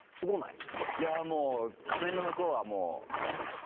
いやもう画面の向こうは。